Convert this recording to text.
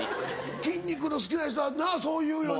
筋肉の好きな人はそう言うよね。